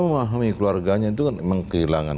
memahami keluarganya itu kan memang kehilangan